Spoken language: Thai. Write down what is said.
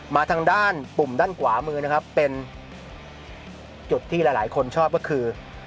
มาทางด้านปุ่มด้านขวามือนะครับเป็นจุดที่หลายคนชอบก็คือ